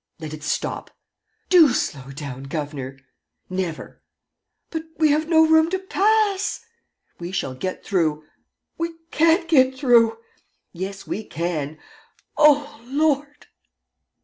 ..." "Let it stop!" "Do slow down, governor!" "Never!" "But we have no room to pass!" "We shall get through." "We can't get through." "Yes, we can." "Oh, Lord!"